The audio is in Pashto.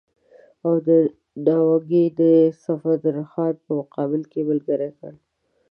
او د ناوګۍ د صفدرخان په مقابل کې یې ملګری کړ.